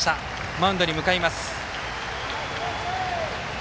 マウンドに向かいます。